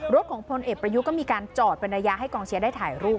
รถของพลเอกประยุทธ์ก็มีการจอดเป็นระยะให้กองเชียร์ได้ถ่ายรูป